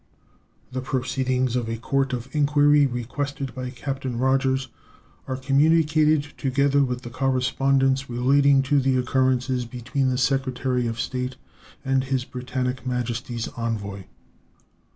The proceedings of a court of inquiry requested by Captain Rodgers are communicated, together with the correspondence relating to the occurrence, between the Secretary of State and His Britannic Majesty's envoy.